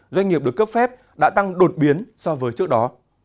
doanh nghiệp được cấp phép đã tăng đột biến so với trước đó